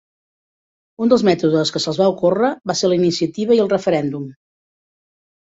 Un dels mètodes que se'ls va ocórrer va ser la iniciativa i el referèndum.